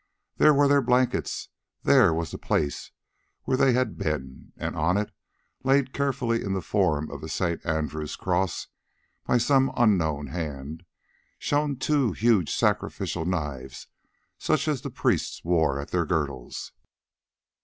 There were their blankets, there was the place where they had been, and on it, laid carefully in the form of a St. Andrew's cross by some unknown hand, shone two huge sacrificial knives such as the priests wore at their girdles.